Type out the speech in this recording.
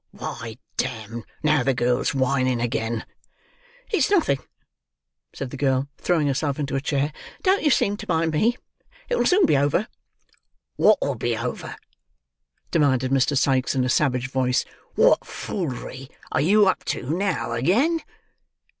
Why, damme, now, the girls's whining again!" "It's nothing," said the girl, throwing herself into a chair. "Don't you seem to mind me. It'll soon be over." "What'll be over?" demanded Mr. Sikes in a savage voice. "What foolery are you up to, now, again?